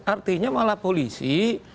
artinya malah polisi